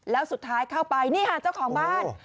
แล้วสุดท้ายเข้าไปนี่ค่ะเจ้าของบ้าน